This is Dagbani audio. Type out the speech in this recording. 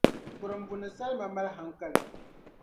kurumbuni salima mali hankali pam